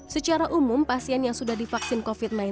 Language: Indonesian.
secara umum pasien yang sudah divaksin covid sembilan belas